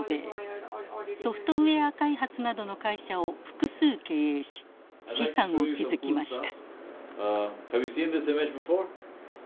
ソフトウエア開発などの会社を複数経営し資産を築きました。